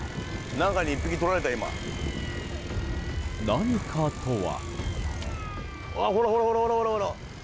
何かとは？